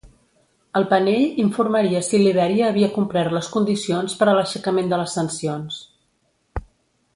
El panell informaria si Libèria havia complert les condicions per a l'aixecament de les sancions.